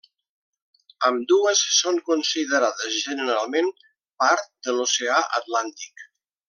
Ambdues són considerades generalment part de l'oceà Atlàntic.